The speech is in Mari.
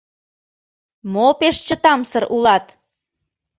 — Мо пеш чытамсыр улат?!